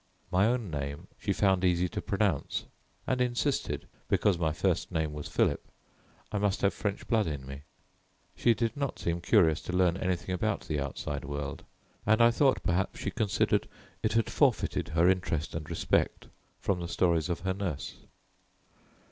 My own name she found easy to pronounce, and insisted, because my first name was Philip, I must have French blood in me. She did not seem curious to learn anything about the outside world, and I thought perhaps she considered it had forfeited her interest and respect from the stories of her nurse.